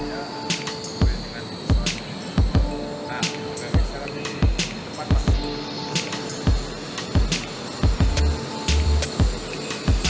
yuk mundur mundur